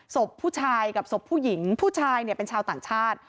ศพผู้ชายกับศพผู้หญิงผู้ชายเนี่ยเป็นชาวต่างชาติ